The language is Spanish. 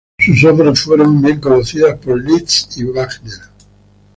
Sus obras fueron bien conocidas por Liszt y Wagner.